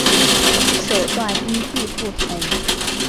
手段因地不同。